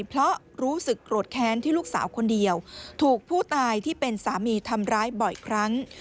เพราะรู้สึกโกรธแค้นที่ลูกสาวคนเดียวถูกผู้ตายที่เป็นสามีทำร้ายบ่อยครั้ง